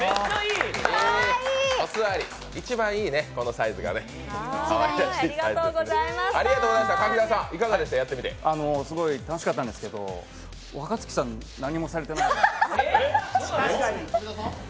一番いいね、このサイズがねすごい楽しかったんですけど若槻さん、何もされてなかった。